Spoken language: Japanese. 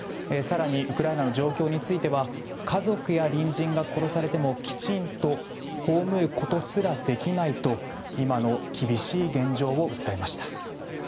更にウクライナの状況については家族や隣人が殺されてもきちんと葬ることすらできないと今の厳しい現状を訴えました。